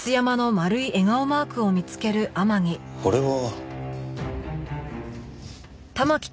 これは。